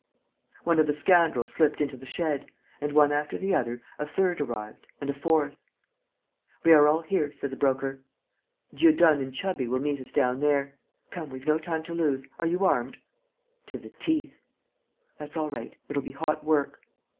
One of the scoundrels slipped into the shed; and, one after the other, a third arrived and a fourth. ... "We are all here," said the Broker. "Dieudonne and Chubby will meet us down there. Come, we've no time to lose. ... Are you armed?" "To the teeth." "That's all right. It'll be hot work."